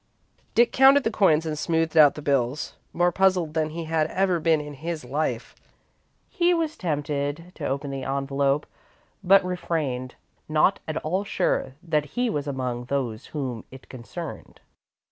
Dick counted the coins and smoothed out the bills, more puzzled than he had ever been in his life. He was tempted to open the envelope, but refrained, not at all sure that he was among those whom it concerned.